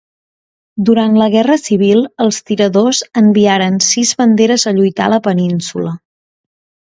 Durant la guerra civil els Tiradors enviaren sis banderes a lluitar a la Península.